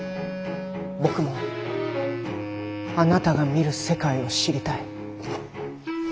僕もあなたが見る世界を知りたい。